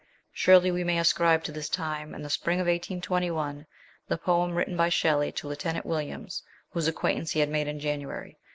Surely we may ascribe to this time, in the spring of 1821, the poem written by Shelley to Lieutenant Williams, whose acquaintance he had made in January.